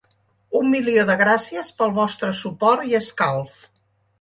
Un milió de gràcies pel vostre suport i escalf.